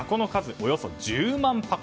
およそ１０万箱。